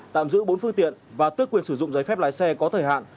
tạm giữ bốn phương tiện và tước quyền sử dụng giấy phép lái xe có thời hạn